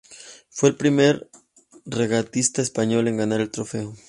Fue el primer regatista español en ganar el trofeo.